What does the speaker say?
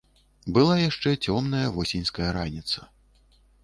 Была яшчэ цёмная восеньская раніца.